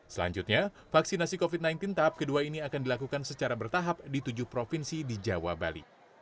selanjutnya vaksinasi covid sembilan belas tahap kedua ini akan dilakukan secara bertahap di tujuh provinsi di jawa bali